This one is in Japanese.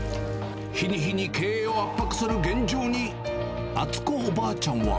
日に日に経営を圧迫する現状に、篤子おばあちゃんは。